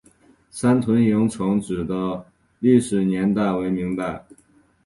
三屯营城址的历史年代为明代。